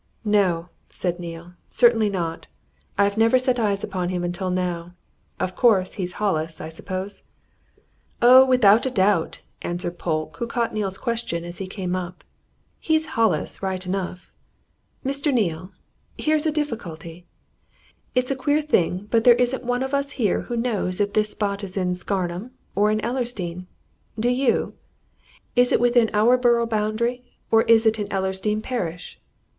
"No!" said Neale. "Certainly not! I've never set eyes on him until now. Of course, he's Hollis, I suppose?" "Oh, without doubt!" answered Polke, who caught Neale's question as he came up. "He's Hollis, right enough. Mr. Neale here's a difficulty. It's a queer thing, but there isn't one of us here who knows if this spot is in Scarnham or in Ellersdeane. Do you? Is it within our borough boundary, or is it in Ellersdeane parish?